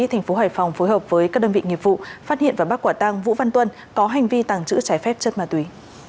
thành phố hải phòng phối hợp với các đơn vị nghiệp vụ phát hiện và bắt quả tăng vũ văn tuân có hành vi tàng trữ trái phép chất ma túy